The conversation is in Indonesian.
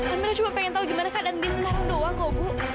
amera cuma pengen tahu gimana keadaan dia sekarang doang kok bu